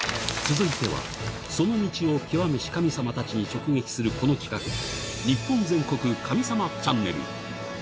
続いては、その道を究めし神様たちに直撃するこの企画、日本全国神様チャンネル。